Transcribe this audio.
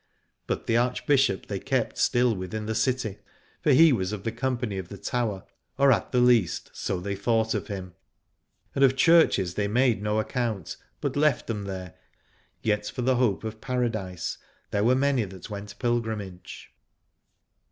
But the Archbishop they kept still within the city, for he was of the company of the Tower, or at the least so they thought of him. And of churches no Alad ore they made no account, but left them there : yet for the hope of Paradise there were many that went pilgrimage.